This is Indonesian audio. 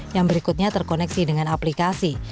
yang berikutnya terkoneksi dengan aplikasi